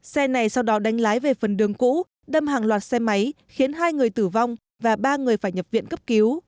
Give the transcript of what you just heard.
xe này sau đó đánh lái về phần đường cũ đâm hàng loạt xe máy khiến hai người tử vong và ba người phải nhập viện cấp cứu